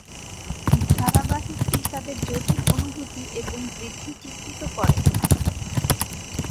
ধারাবাহিকটি তাদের জটিল অনুভূতি এবং বৃদ্ধি চিত্রিত করে।